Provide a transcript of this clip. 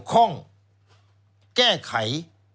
โดย